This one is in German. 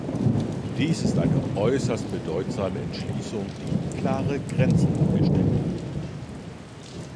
Dies ist eine äußerst bedeutsame Entschließung, die klare Grenzen abgesteckt hat.